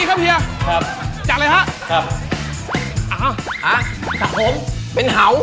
ครับครับ